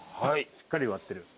しっかり埋まってる。